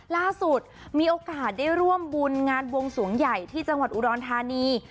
ล่าสุดมีโอกาสได้ร่วมบุญงานบวงสวงใหญ่ที่จังหวัดอุดรธานี